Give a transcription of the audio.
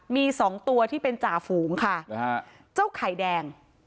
มีสองตัวที่เป็นจ่าฝูงค่ะเจ้าไข่แดง